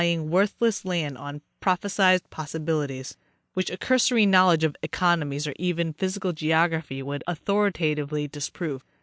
207 ing worthless land on prophesied possibilities, which a cursory knowledge of economics or even physical geography would au thoritatively disprove.